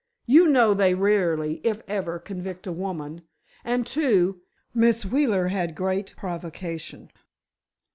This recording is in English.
You know they rarely, if ever, convict a woman—and, too, Miss Wheeler had great provocation.